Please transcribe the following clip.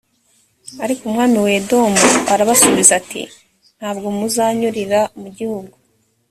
ariko umwami wa edomu arabasubiza ati «nta bwo muzanyurira mu gihugu.